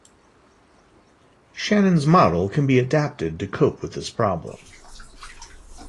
Shannon's model can be adapted to cope with this problem.